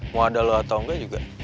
mau ada lo atau enggak juga